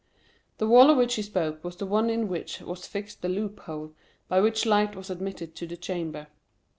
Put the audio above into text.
The wall of which he spoke was the one in which was fixed the loophole by which light was admitted to the chamber.